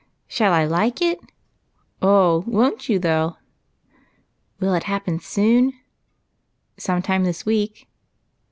"Shall I like it?" " Oh, won't you, though !" "Will it happen soon?" " Sometime this week."